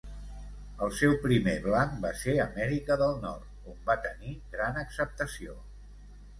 El seu primer blanc va ser Amèrica del Nord, on va tenir gran acceptació.